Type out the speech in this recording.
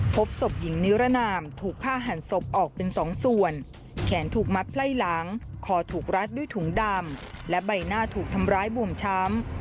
พบศพหญิงนิรนามถูกฆ่าหันศพออกเป็นสองส่วนแขนถูกมัดไล่หลังคอถูกรัดด้วยถุงดำและใบหน้าถูกทำร้ายบวมช้ำ